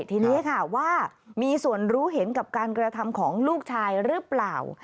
ทีนี้ค่ะว่ามีส่วนรู้เห็นกับการกระทำของลูกชายหรือเปล่า